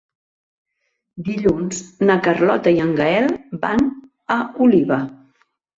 Dilluns na Carlota i en Gaël van a Oliva.